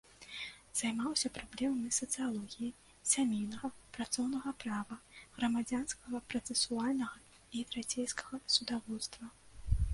Займаўся праблемамі сацыялогіі, сямейнага, працоўнага права, грамадзянскага працэсуальнага і трацейскага судаводства.